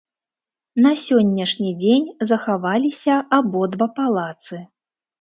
На сённяшні дзень захаваліся абодва палацы.